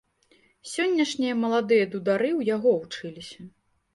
Сённяшнія маладыя дудары ў яго вучыліся.